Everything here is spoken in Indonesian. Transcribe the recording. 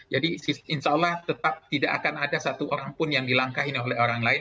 jadi insya allah tetap tidak akan ada satu orang pun yang dilangkahin oleh orang lain